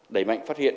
đẩy mạnh phát hiện